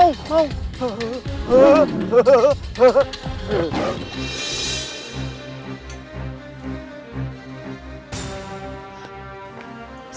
jangan lupa untuk mencoba